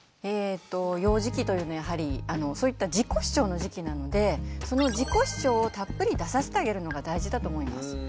えと幼児期というのはやはりそういった自己主張の時期なのでその自己主張をたっぷり出させてあげるのが大事だと思います。